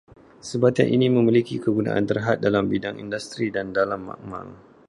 Sebatian ini memiliki kegunaan terhad dalam bidang industri dan dalam makmal